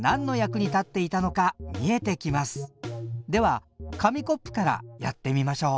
するとそれがでは紙コップからやってみましょう。